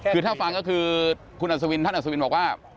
คือถ้าฟังก็คือท่านอัศวินบอกว่า